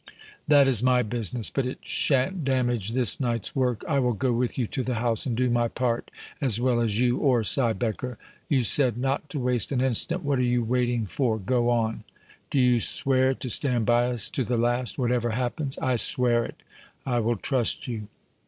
"That is my business, but it shan't damage this night's work. I will go with you to the house and do my part as well as you or Siebecker. You said not to waste an instant. What are you waiting for? Go on!" "Do you swear to stand by us to the last whatever happens?" "I swear it!" "I will trust you."